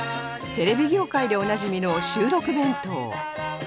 テレビ業界でおなじみの収録弁当